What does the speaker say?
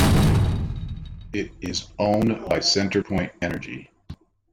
It is owned by CenterPoint Energy.